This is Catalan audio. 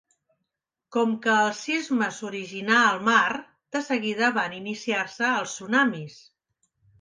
Com que el sisme s'originà al mar, de seguida van iniciar-se els tsunamis.